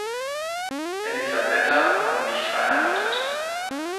Elisabetta war nicht verheiratet.